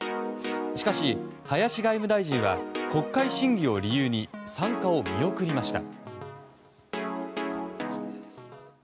しかし、林外務大臣は国会審議を理由に参加を見送りました。